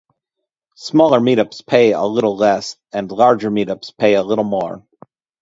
Smaller Meetups pay a little less and larger Meetups pay a little more.